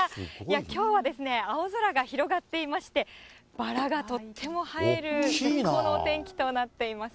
きょうはですね、青空が広がっていまして、バラがとっても映える絶好のお天気となっています。